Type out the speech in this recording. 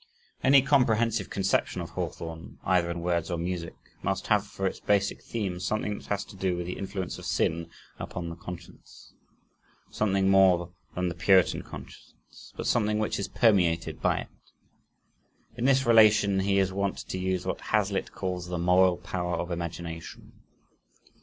Any comprehensive conception of Hawthorne, either in words or music, must have for its basic theme something that has to do with the influence of sin upon the conscience something more than the Puritan conscience, but something which is permeated by it. In this relation he is wont to use what Hazlitt calls the "moral power of imagination."